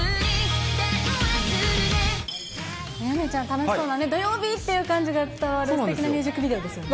楽しそうなね、土曜日っていう感じが伝わるすてきなミュージックビデオですね。